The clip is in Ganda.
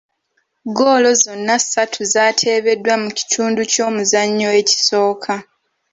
Ggoolo zonna ssatu zaateebeddwa mu kitundu ky'omuzannyo ekisooka.